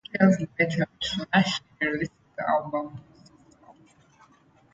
Three years later, Shanachie released the album Brace Yourself!